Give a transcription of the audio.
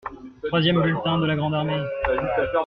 Troisième bulletin de la grande armée.